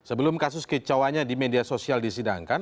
sebelum kasus kecawanya di media sosial disidangkan